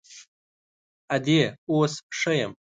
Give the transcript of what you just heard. _ادې، اوس ښه يم.